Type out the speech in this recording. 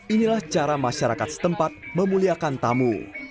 inilah cara masyarakat setempat memuliakan tamu